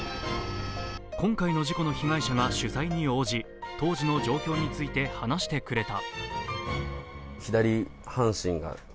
今回の事故の被害者が取材に応じ、当時の状況について話してくれた。